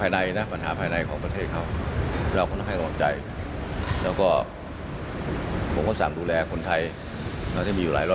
วันอาทารย์ทูตเขาเตรียมประโยคตามแผนในการ